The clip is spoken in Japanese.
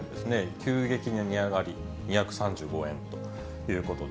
急激に値上がり、２３５円ということで。